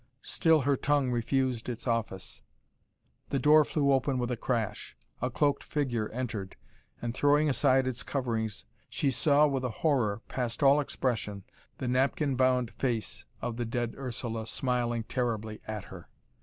Still her tongue refused its office. The door flew open with a crash, a cloaked figure entered and, throwing aside its coverings, she saw with a horror past all expression the napkin bound face of the dead Ursula smiling terribly at her.